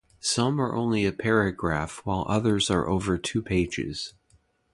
Some are only a paragraph, while the others are over two pages.